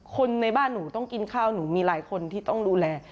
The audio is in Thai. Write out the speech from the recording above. คนในบ้านหนูต้องกินข้าวหนูมีหลายคนที่ต้องดูแล